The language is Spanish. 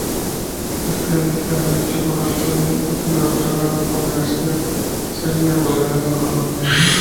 Especialista en Derecho Probatorio, título otorgado por la Universidad Sergio Arboleda en Colombia.